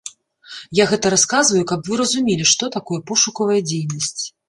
Я гэта расказваю, каб вы разумелі, што такое пошукавая дзейнасць.